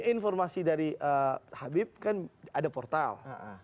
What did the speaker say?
informasi dari habib kan ada portal